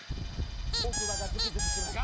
奥歯がズキズキします